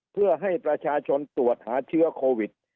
เพื่อให้ประชาชนตรวจหาเชื้อโควิด